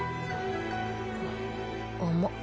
甘っ。